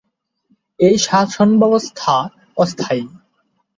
এই শাসনব্যবস্থা অস্থায়ী।